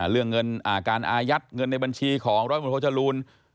เรื่องเงินการอายัดเงินในบัญชีของร้อยบนโทจรูล